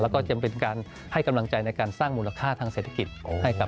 แล้วก็จะเป็นการให้กำลังใจในการสร้างมูลค่าทางเศรษฐกิจให้กับ